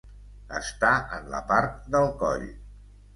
Està en la part del coll.